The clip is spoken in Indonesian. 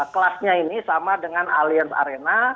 kelasnya ini sama dengan aliens arena